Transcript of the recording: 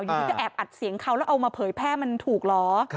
ที่จะแอบอัดเสียงเขาแล้วเอามาเผยแพร่มันถูกเหรอ